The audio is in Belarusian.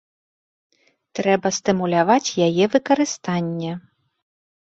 Трэба стымуляваць яе выкарыстанне.